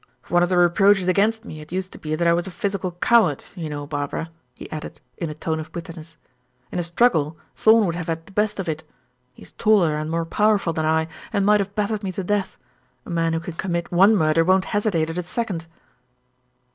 One of the reproaches against me had used to be that I was a physical coward, you know, Barbara," he added, in a tone of bitterness. "In a struggle, Thorn would have had the best of it; he is taller and more powerful than I, and might have battered me to death. A man who can commit one murder won't hesitate at a second."